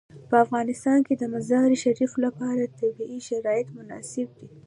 په افغانستان کې د مزارشریف لپاره طبیعي شرایط مناسب دي.